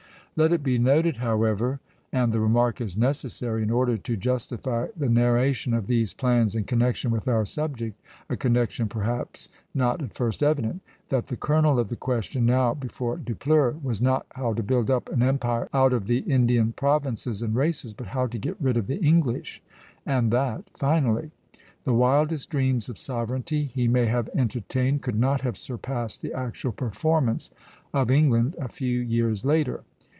Let it be noted, however, and the remark is necessary in order to justify the narration of these plans in connection with our subject, a connection perhaps not at first evident, that the kernel of the question now before Dupleix was not how to build up an empire out of the Indian provinces and races, but how to get rid of the English, and that finally. The wildest dreams of sovereignty he may have entertained could not have surpassed the actual performance of England a few years later.